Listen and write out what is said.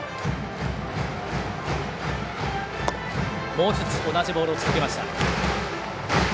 もう１つ同じボールを続けました。